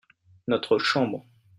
notre chambre.